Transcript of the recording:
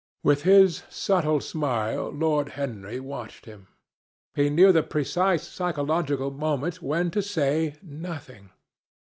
With his subtle smile, Lord Henry watched him. He knew the precise psychological moment when to say nothing.